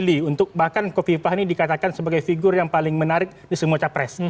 memilih untuk bahkan kofifah ini dikatakan sebagai figur yang paling menarik di semua capres